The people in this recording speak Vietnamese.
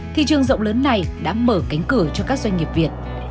thị trường rộng lớn này đã mở cánh cửa cho các doanh nghiệp việt